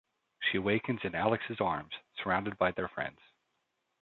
She awakens in Alex's arms, surrounded by their friends.